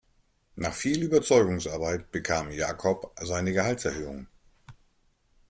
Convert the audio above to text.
Nach viel Überzeugungsarbeit bekam Jakob seine Gehaltserhöhung.